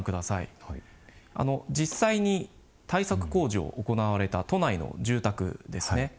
実際に対策工事を行われた都内の住宅ですね。